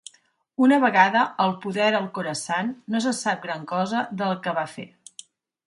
Una vegada al poder al Khorasan, no se sap gran cosa del que va fer.